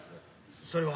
それは。